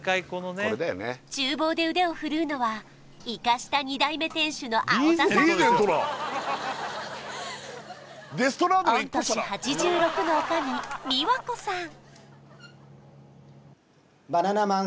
厨房で腕を振るうのはイカした２代目店主の青田さんと御年８６の女将三和子さん